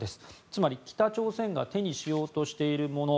つまり北朝鮮が手にしようとしているもの